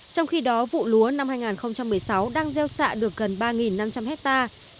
trong khi đó vụ lúa năm hai nghìn một mươi sáu đang gieo xạ được gần ba năm trăm linh hectare